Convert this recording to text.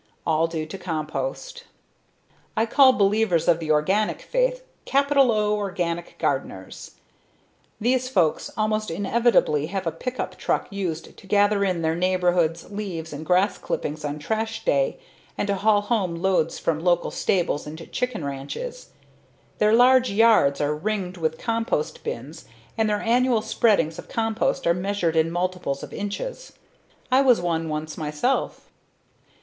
All due to compost. I call believers of the organic faith capital "O" organic gardeners. These folks almost inevitably have a pickup truck used to gather in their neighborhood's leaves and grass clippings on trash day and to haul home loads from local stables and chicken ranches. Their large yards are ringed with compost bins and their annual spreadings of compost are measured in multiples of inches. I was one once, myself.